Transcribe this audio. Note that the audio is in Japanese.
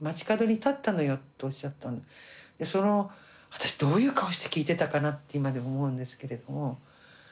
私どういう顔して聞いてたかなって今でも思うんですけれども。